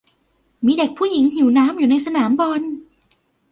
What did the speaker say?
มีเด็กผู้หญิงหิวน้ำอยู่ในสนามบอล